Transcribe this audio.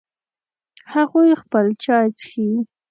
هغوی خپل چای څښي